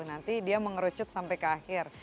nanti dia mengerucut sampai ke akhir